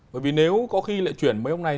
bởi vì nếu có khi lại chuyển mấy ông này